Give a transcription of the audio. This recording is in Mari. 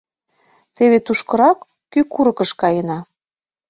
Теве тушкырак, кӱ курыкыш, каена.